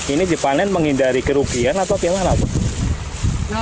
ini dipanen menghindari kerugian atau bagaimana